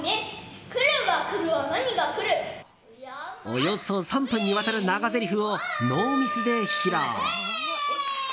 およそ３分にわたる長ぜりふをノーミスで披露。